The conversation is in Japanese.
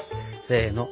せの。